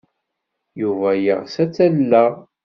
Yuba yeɣs ad t-alleɣ.